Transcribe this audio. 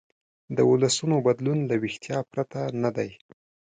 د ولسونو بدلون له ویښتیا پرته نه دی.